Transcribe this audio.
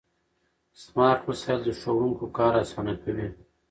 سمارټ وسایل د ښوونکو کار اسانه کوي.